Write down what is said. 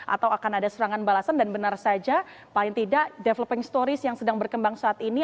atau akan ada serangan balasan dan benar saja paling tidak developing stories yang sedang berkembang saat ini